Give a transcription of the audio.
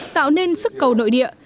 tạo nên sức cầu nội địa